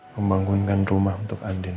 membangunkan rumah untuk andin